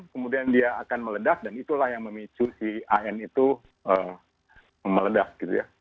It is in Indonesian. kemudian dia akan meledak dan itulah yang memicu si an itu meledak gitu ya